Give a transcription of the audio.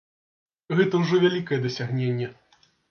Гэта ўжо вялікае дасягненне.